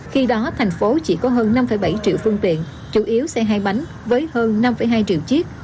khi đó thành phố chỉ có hơn năm bảy triệu phương tiện chủ yếu xe hai bánh với hơn năm hai triệu chiếc